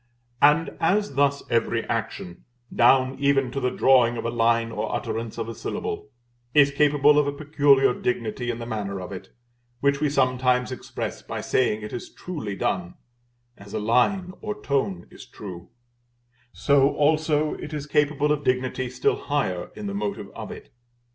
And as thus every action, down even to the drawing of a line or utterance of a syllable, is capable of a peculiar dignity in the manner of it, which we sometimes express by saying it is truly done (as a line or tone is true), so also it is capable of dignity still higher in the motive of it.